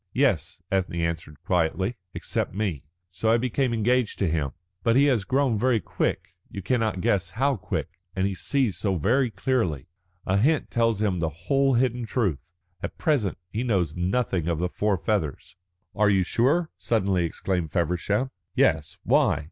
"Yes," Ethne answered quietly, "except me. So I became engaged to him. But he has grown very quick you cannot guess how quick. And he sees so very clearly. A hint tells him the whole hidden truth. At present he knows nothing of the four feathers." "Are you sure?" suddenly exclaimed Feversham. "Yes. Why?"